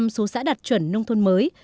số xã đạt chuẩn nông thôn mới